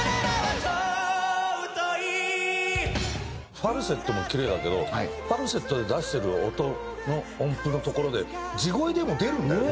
ファルセットもキレイだけどファルセットで出してる音の音符のところで地声でも出るんだよね。